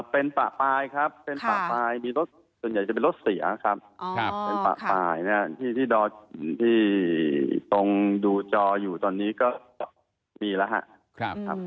เป็นป่าปลายครับเป็นป่าปลายมีรถส่วนใหญ่จะเป็นรถเสียครับเป็นป่าปลายนะครับที่ตรงดูจออยู่ตอนนี้ก็มีแล้วครับ